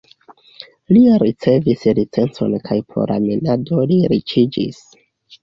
Li ricevis licencon kaj pro la minado li riĉiĝis.